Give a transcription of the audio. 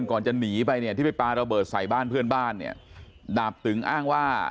ก่อนจะหนีไปเนี่ยที่ไปปลาระเบิดใส่บ้านเพื่อนบ้านเนี่ยดาบตึงอ้างว่า